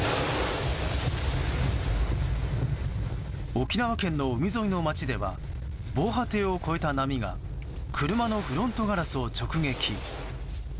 沖縄県の海沿いの街では防波堤を越えた波が車のフロントガラスを直撃。